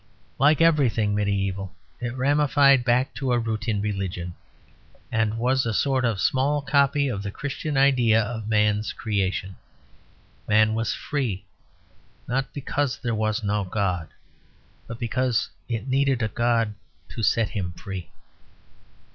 Like everything mediæval, it ramified back to a root in religion; and was a sort of small copy of the Christian idea of man's creation. Man was free, not because there was no God, but because it needed a God to set him free.